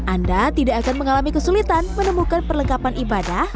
anda tidak akan mengalami kesulitan menemukan perlengkapan ibadah